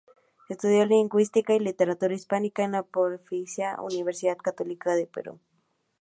Estudió Lingüística y Literatura Hispánica en la Pontificia Universidad Católica del Perú.